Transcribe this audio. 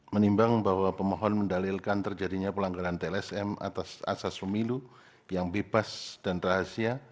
menimbang bahwa pemohon mendalilkan terjadinya pelanggaran tlsm atas asas pemilu yang bebas dan rahasia